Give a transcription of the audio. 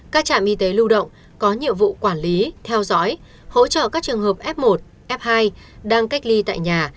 các trạm y tế lưu động có nhiệm vụ quản lý theo dõi hỗ trợ các trường hợp f một f hai đang cách ly tại nhà